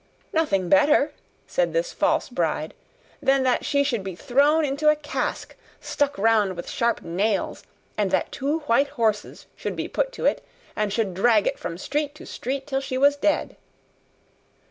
'Nothing better,' said this false bride, 'than that she should be thrown into a cask stuck round with sharp nails, and that two white horses should be put to it, and should drag it from street to street till she was dead.